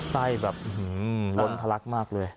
ไส้แบบล้นทะลักมากเลย